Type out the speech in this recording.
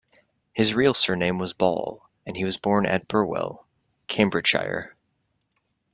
His real surname was Ball, and he was born at Burwell, Cambridgeshire.